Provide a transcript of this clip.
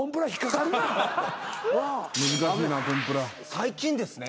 最近ですね